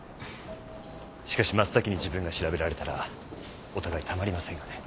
しかし真っ先に自分が調べられたらお互いたまりませんがね。